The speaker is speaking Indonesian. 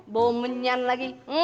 bau menyan lagi